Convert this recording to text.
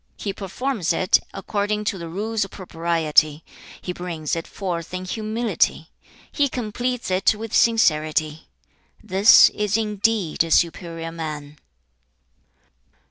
He performs it according to the rules of propriety. He brings it forth in humility. He completes it with sincerity. This is indeed a superior man.'